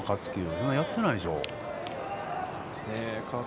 そんなにやってないでしょう。